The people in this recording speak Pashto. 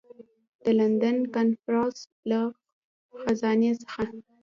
د لندن کنفرانس له خزانې څخه.